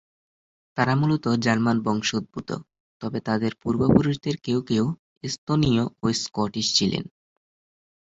তারা মূলত জার্মান বংশোদ্ভূত, তবে তাদের পূর্বপুরুষদের কেউ কেউ এস্তোনীয় ও স্কটিশ ছিলেন।